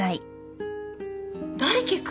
大樹君。